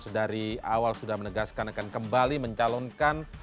sedari awal sudah menegaskan akan kembali mencalonkan